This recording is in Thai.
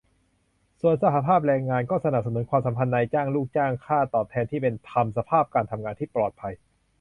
ส่วนสหภาพแรงงาน ก็สนับสนุนความสัมพันธ์นายจ้าง-ลูกจ้าง ค่าตอบแทนที่เป็นธรรม สภาพการทำงานที่ปลอดภัย